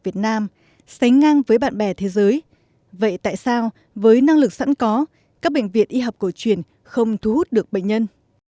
vậy tại sao với năng lực sẵn có các bệnh viện y học cổ truyền không thu hút được bệnh nhân